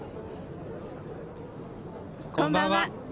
こんばんは。